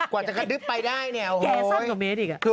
กว่าจะกระดึ๊บไปได้เนี่ยโอ้โฮแกสั้นกว่าเมตรอีกอ่ะ